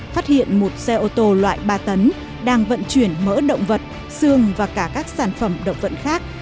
phát hiện một xe ô tô loại ba tấn đang vận chuyển mỡ động vật xương và cả các sản phẩm động vật khác